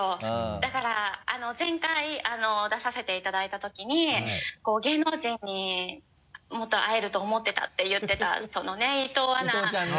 だから前回出させていただいた時に芸能人にもっと会えると思ってたって言ってた伊藤アナがね。